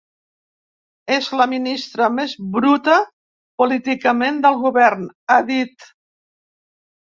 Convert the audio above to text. És la ministra més bruta políticament del govern, ha dit.